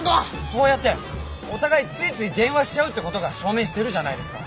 そうやってお互いついつい電話しちゃうってことが証明してるじゃないですか。